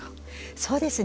そうですね。